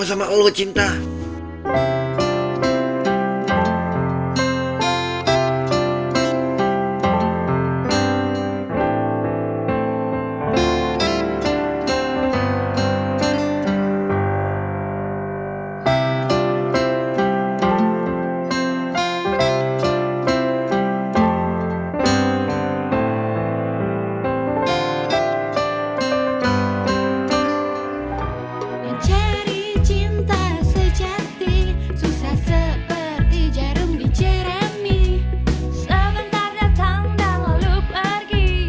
aduh ntar dulu pak